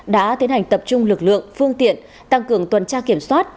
đã tiến hành tập trung lực lượng phương tiện tăng cường tuần tra kiểm soát